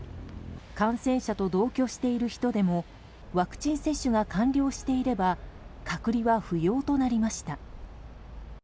感染者と同居している人でもワクチン接種が完了していれば隔離は不要となりました。